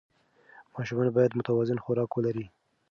ماشومان باید متوازن خوراک ولري.